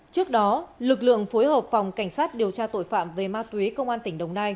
trước đó lực lượng phối hợp phòng cảnh sát điều tra tội phạm về ma túy công an tỉnh đồng nai